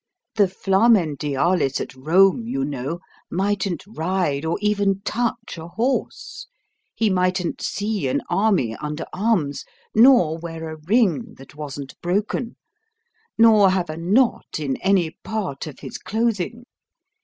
The Flamen Dialis at Rome, you know, mightn't ride or even touch a horse; he mightn't see an army under arms; nor wear a ring that wasn't broken; nor have a knot in any part of his clothing.